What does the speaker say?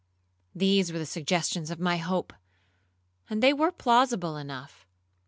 These were the suggestions of my hope, and they were plausible enough.